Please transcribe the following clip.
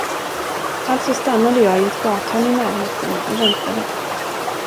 Alltså stannade jag i ett gathörn i närheten och väntade.